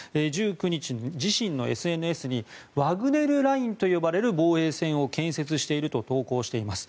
１９日に自身のＳＮＳにワグネルラインという防衛線を建設していると投稿しています。